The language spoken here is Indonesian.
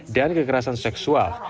dan kekerasan seksual